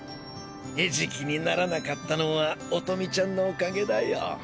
餌食にならなかったのは音美ちゃんのおかげだよ。